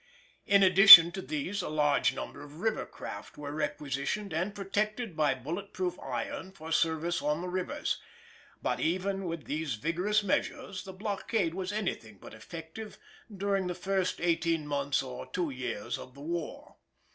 In addition to these a large number of river craft were requisitioned and protected by bullet proof iron for service on the rivers; but even with these vigorous measures the blockade was anything but effective during the first eighteen months or two years of the war.